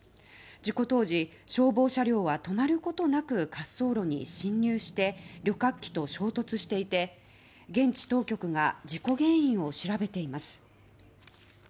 事故当時消防車両は止まることなく滑走路に進入して旅客機と衝突していて現地当局が事故原因を調べています。